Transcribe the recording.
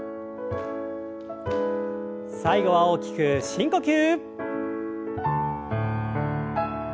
最後は大きく深呼吸。